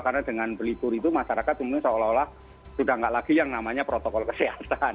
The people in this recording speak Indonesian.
karena dengan berlibur itu masyarakat semuanya seolah olah sudah tidak lagi yang namanya protokol kesehatan